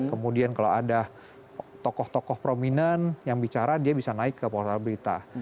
kemudian kalau ada tokoh tokoh prominent yang bicara dia bisa naik ke portal berita